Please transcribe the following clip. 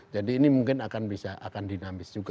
jadi ini mungkin akan bisa akan dinamis juga